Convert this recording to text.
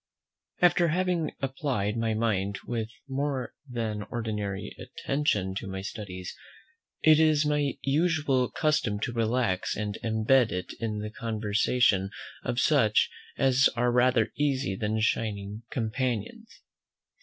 After having applied my mind with more than ordinary attention to my studies, it is my usual custom to relax and unbend it in the conversation of such as are rather easy than shining companions.